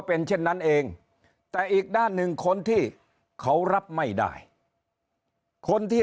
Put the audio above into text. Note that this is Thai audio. เป็นเช่นนั้นเองแต่อีกด้านหนึ่งคนที่เขารับไม่ได้คนที่